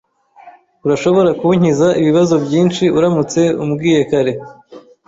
Urashobora kunkiza ibibazo byinshi uramutse ubimbwiye kare.